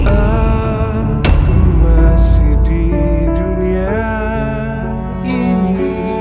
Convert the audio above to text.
aku masih di dunia ini